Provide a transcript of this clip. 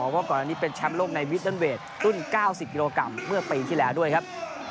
เพราะก่อนอันนี้เป็นชำโลกในวิทย์เวทย์รุ่น๙๐กิโลกรัมเมื่อปีนที่แล้วด้วยครับ